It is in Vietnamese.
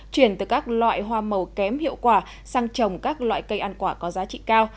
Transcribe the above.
chuyển từ các loại hoa màu kém hiệu quả sang trồng các loại cây ăn quả có giá trị cao